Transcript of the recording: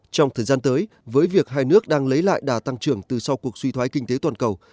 trong thời gian tới với việc hai nước đang lấy lại đà tăng trưởng từ sau cuộc suy thoái kinh tế toàn cầu